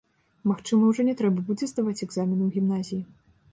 Магчыма, ужо не трэба будзе здаваць экзамены ў гімназіі.